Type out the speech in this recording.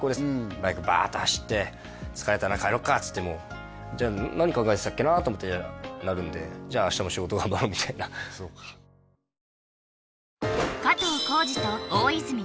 バイクバーッと走って疲れたな帰ろうかっつってじゃあ何考えてたっけな？と思ってなるんでじゃあ明日も仕事頑張ろうみたいなねえねえ